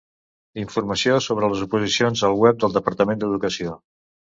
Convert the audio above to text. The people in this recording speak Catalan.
Informació sobre les oposicions al web del Departament d'Educació.